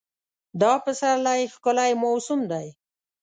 دا پسرلی ښکلی موسم دی.